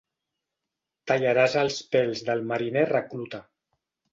Tallaràs els pèls del mariner recluta.